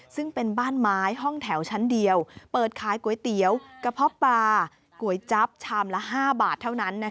ซึ่งเป็นบ้านไม้ห้องแถวชั้นเดียวเปิดขายก๋วยเตี๋ยวกระเพาะปลาก๋วยจั๊บชามละ๕บาทเท่านั้น